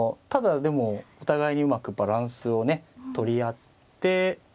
ただでもお互いにうまくバランスをね取り合って。